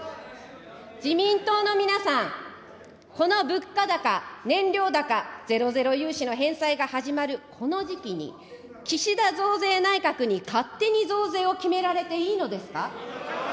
自民党の皆さん、この物価高、燃料高、ゼロゼロ融資の返済が始まるこの時期に、岸田増税内閣に勝手に増税を決められていいのですか。